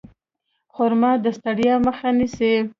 خرما د ستړیا مخه نیسي.